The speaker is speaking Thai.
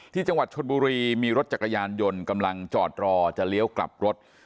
ที่จังหวัดชนบุรีมีรถจักรยานยนต์กำลังจอดรอจะเลี้ยวกลับรถ